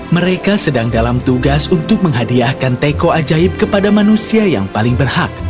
mereka sedang dalam tugas untuk menghadiahkan teko ajaib kepada manusia yang paling berhak